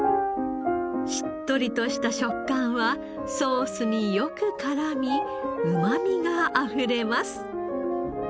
しっとりとした食感はソースによく絡みうまみがあふれます。